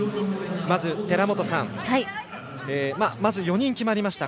まず、寺本さん４人決まりました。